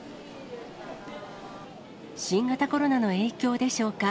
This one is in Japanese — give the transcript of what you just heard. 新型コロナの影響でしょうか。